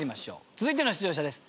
続いての出場者です。